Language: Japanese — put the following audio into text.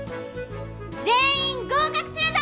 全員合格するぞ！